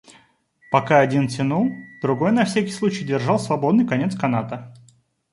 Пока один тянул, другой на всякий случай держал свободный конец каната.